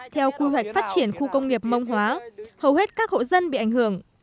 theo quy hoạch phát triển khu công nghiệp mông hóa hầu hết các hộ dân bị ảnh hưởng